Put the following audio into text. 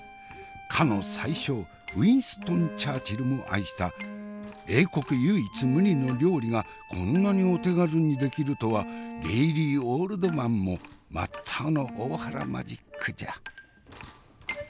かの宰相ウィンストン・チャーチルも愛した英国唯一無二の料理がこんなにお手軽にできるとはゲイリー・オールドマンも真っ青の大原マジックじゃ。